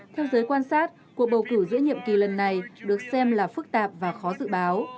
theo giới quan sát cuộc bầu cử giữa nhiệm kỳ lần này được xem là phức tạp và khó dự báo